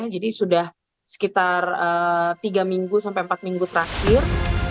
jadi sudah sekitar tiga empat minggu terakhir